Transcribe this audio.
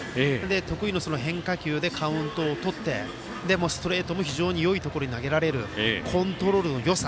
得意の変化球でカウントをとってストレートも非常によいところに投げられるコントロールのよさ。